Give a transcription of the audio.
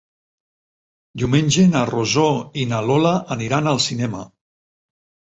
Diumenge na Rosó i na Lola aniran al cinema.